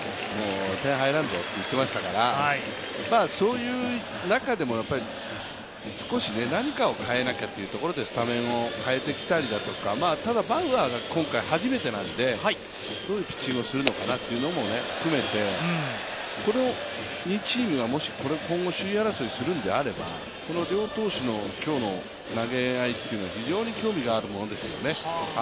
点が入らんぞと言っていましたから、そういう中でも少し何かを変えなきゃということでスタメンを変えてきたりだとかただ、バウアーが今回、初めてなんでどういうピッチングをするのかなというのも含めて、この２チームが今後首位争いするのであれば、この両投手の今日の投げ合いは非常に興味のあるものですよね。